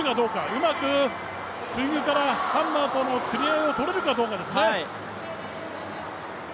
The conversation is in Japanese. うまくスイングからハンマーとの釣り合いを取れるかどうかですね。